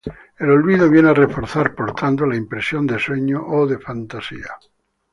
El olvido viene a reforzar, por tanto, la impresión de sueño o de fantasía.